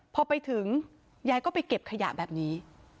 พอไปถึงยายก็ไปเก็บขยะแบบนี้